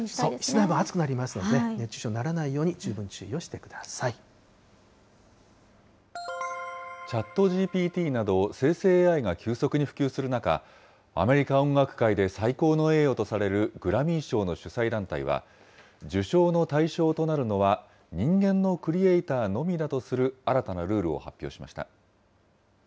室内も暑くなりますのでね、熱中症にならないように十分注意ＣｈａｔＧＰＴなど、生成ＡＩが急速に普及する中、アメリカ音楽界で最高の栄誉とされるグラミー賞の主催団体は、受賞の対象となるのは、人間のクリエーターのみだとする新たなルールを発表しました。